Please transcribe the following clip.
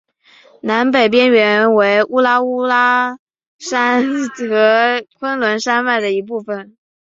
南北边缘为乌兰乌拉山和昆仑山脉的一部分。